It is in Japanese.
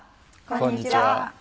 こんにちは。